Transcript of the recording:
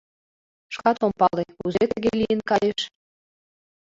— Шкат ом пале, кузе тыге лийын кайыш...